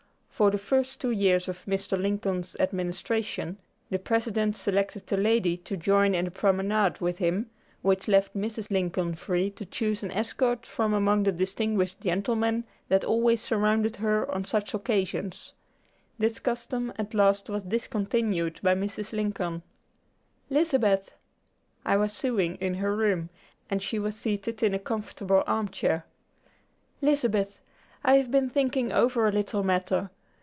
For the first two years of Mr. Lincoln's administration, the President selected a lady to join in the promenade with him, which left Mrs. Lincoln free to choose an escort from among the distinguished gentlemen that always surrounded her on such occasions. This custom at last was discontinued by Mrs. Lincoln. "Lizabeth!" I was sewing in her room, and she was seated in a comfortable arm chair "Lizabeth, I have been thinking over a little matter.